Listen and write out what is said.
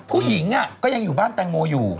ผู้หญิงก็ยังอยู่บ้านแตงโมอยู่